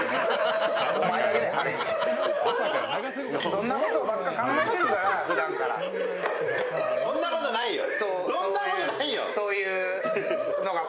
そんなことないよ！